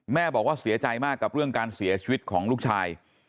แม่บอกว่าเสียใจมากกับเรื่องการเสียชีวิตของลูกชาย